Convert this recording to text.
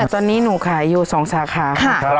ตอนนี้หนูขายอยู่๒สาขาค่ะ